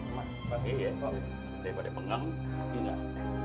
mak pake ya daripada pengang ini lah